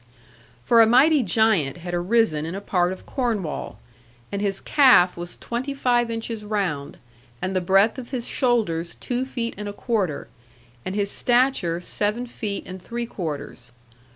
For a mighty giant had arisen in a part of Cornwall: and his calf was twenty five inches round, and the breadth of his shoulders two feet and a quarter; and his stature seven feet and three quarters.